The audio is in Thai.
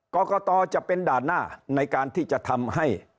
กรกตจะเป็นด่านหน้าในการที่จะทำให้